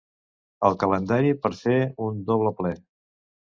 El calendari per fer un ‘doble ple’